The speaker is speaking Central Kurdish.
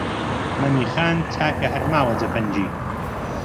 «مەمی خان» چاکە هەر ماوە جەفەنگی